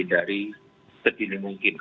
dari segini mungkin